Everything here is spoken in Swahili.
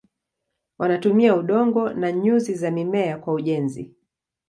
Wanatumia udongo na nyuzi za mimea kwa ujenzi.